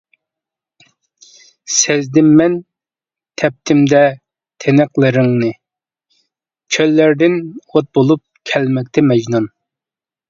سەزدىممەن تەپتىمدە تىنىقلىرىڭنى، چۆللەردىن ئوت بولۇپ كەلمەكتە مەجنۇن.